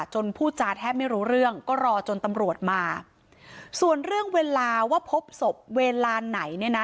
พูดจาแทบไม่รู้เรื่องก็รอจนตำรวจมาส่วนเรื่องเวลาว่าพบศพเวลาไหนเนี่ยนะ